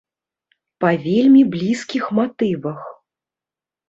Па вельмі блізкіх матывах.